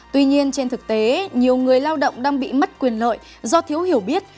tuy nhiên trên thực tế nhiều người lao động đang bị mất quyền lợi do thiếu hiểu biết